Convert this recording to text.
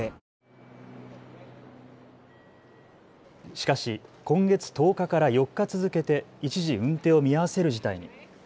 しかし今月１０日から４日続けて一時、運転を見合わせる事態に。